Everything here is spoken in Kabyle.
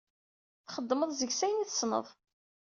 Txedmeḍ deg-s ayen i tessneḍ.